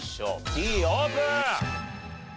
Ｄオープン！